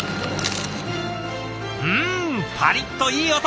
うんパリッといい音。